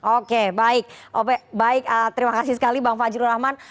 oke baik terima kasih sekali pak fadjro rahman